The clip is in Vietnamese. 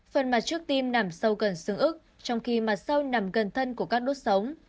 phần mặt trước tim nằm sâu gần xương ức trong khi mặt sau nằm gần thân của các đốt sống